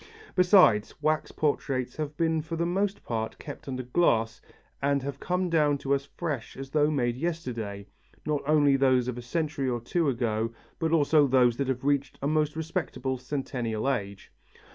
Besides, wax portraits have been for the most part kept under glass and have come down to us as fresh as though made yesterday, not only those of a century or two ago but also those that have reached a most respectable centennial age.